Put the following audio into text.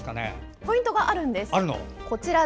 ポイントがあるんです。